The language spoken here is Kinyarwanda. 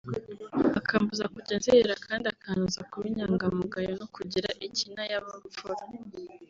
akambuza kujya nzerera kandi akantoza kuba inyangamugayo no kugira ikinayabupfura